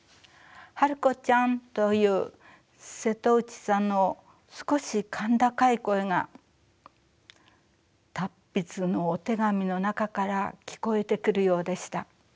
「治子ちゃん」という瀬戸内さんの少し甲高い声が達筆のお手紙の中から聞こえてくるようでした。